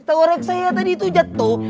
korek saya tadi tuh jatuh